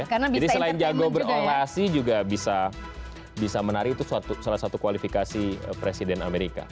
jadi selain jago berolahasi juga bisa menari itu salah satu kualifikasi presiden amerika